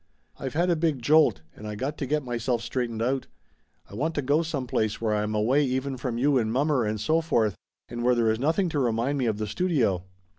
I've had a big jolt, and I got to get myself straightened out. I want to go some place where I am away even from you and mommer and so forth, and where there is nothing to remind me of the studio."